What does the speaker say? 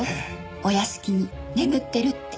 お屋敷に眠ってるって。